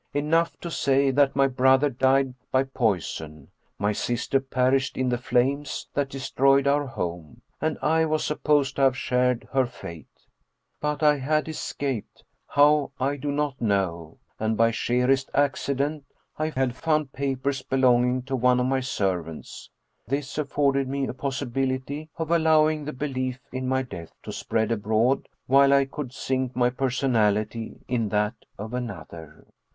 Enough to say that my brother died by poison, my sister perished in the flames that destroyed our home, and I was supposed to have shared her fate. But I had escaped, how I do not know, and by sheerest accident I had found papers belonging to one of my servants. This afforded me a possibility of al lowing the belief in my death to spread abroad while I could sink my personality in that of another.